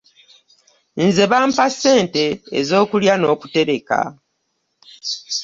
Nze bampa ssente ezokulya n'okutereka.